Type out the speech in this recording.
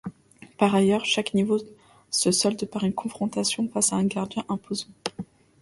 Par ailleurs chaque niveau se solde par une confrontation face à un gardien imposant.